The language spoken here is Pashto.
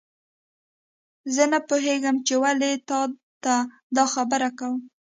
زه نه پوهیږم چې ولې تا ته دا خبره کوم